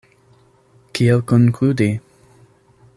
Kiel konkludi?